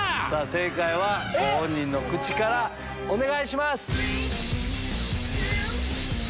正解はご本人の口からお願いします！